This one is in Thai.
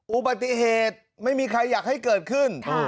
อุบัติเหตุไม่มีใครอยากให้เกิดขึ้น